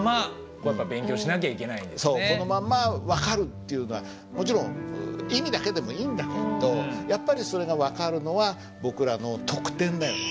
そうこのまんま分かるっていうのはもちろん意味だけでもいいんだけれどやっぱりそれが分かるのは僕らの特典だよね。